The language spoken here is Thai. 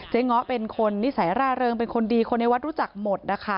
เงาะเป็นคนนิสัยร่าเริงเป็นคนดีคนในวัดรู้จักหมดนะคะ